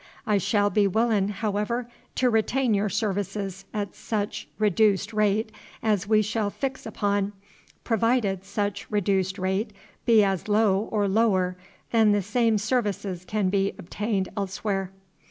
I shall be willin', however, to retain your services at sech redooced rate as we shall fix upon, provided sech redooced rate be as low or lower than the same services can be obtained elsewhere."